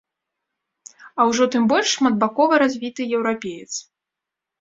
А ўжо тым больш шматбакова развіты еўрапеец!